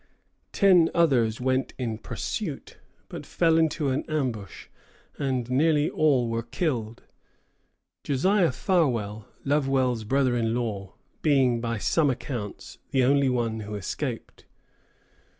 Ten others went in pursuit, but fell into an ambush, and nearly all were killed, Josiah Farwell, Lovewell's brother in law, being, by some accounts, the only one who escaped.